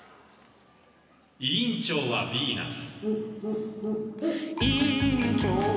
「委員長はヴィーナス」。